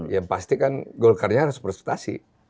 yang pasti kan golkarnya harus presentasi